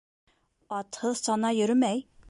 Атһыҙ сана йөрөмәй.